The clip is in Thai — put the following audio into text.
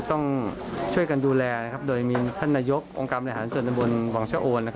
ต้องช่วยกันดูแลโดยมีท่านนายกองค์การบริหารส่วนตะบนวังชะโอน